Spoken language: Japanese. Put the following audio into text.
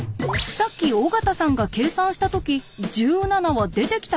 さっき尾形さんが計算した時１７は出てきたって？